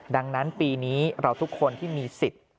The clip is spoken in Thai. ดังนั้นปีนี้เราทุกคนที่มีสิทธิ์